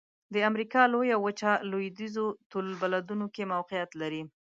د امریکا لویه وچه لویدیځو طول البلدونو کې موقعیت لري.